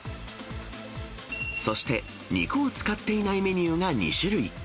そして、肉を使っていないメニューが２種類。